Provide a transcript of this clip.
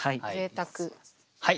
はい。